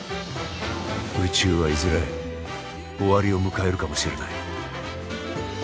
宇宙はいずれ終わりを迎えるかもしれない。